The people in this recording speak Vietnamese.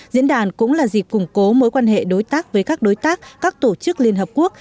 diễn đàn cũng là dịp củng cố mối quan hệ đối tác với các đối tác các tổ chức liên hợp quốc